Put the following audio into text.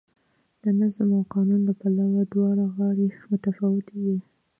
د نظم او قانون له پلوه دواړه غاړې متفاوتې وې.